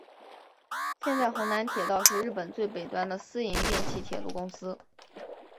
现在弘南铁道是日本最北端的私营电气铁路公司。